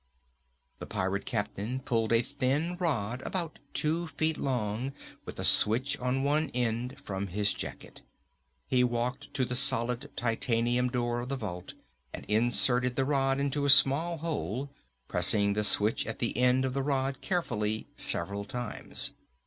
The pirate captain pulled a thin rod about two feet long, with a switch on one end, from his jacket. He walked to the solid titanium door of the vault and inserted the rod into a small hole, pressing the switch at the end of the rod carefully several times.